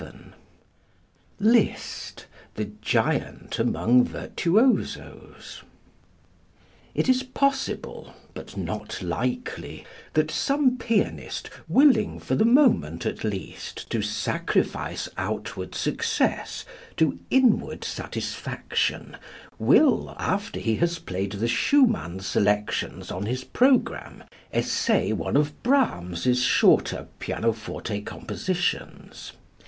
VII LISZT, THE GIANT AMONG VIRTUOSOS It is possible, but not likely, that some pianist willing, for the moment at least, to sacrifice outward success to inward satisfaction, will, after he has played the Schumann selections on his program, essay one of Brahms's shorter pianoforte compositions.